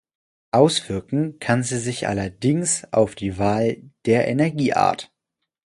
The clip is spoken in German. Auswirken kann sie sich allerdings auf die Wahl der Energieart.